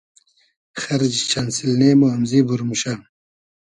خئرجی چئن سیلنې مو امزی بور موشۂ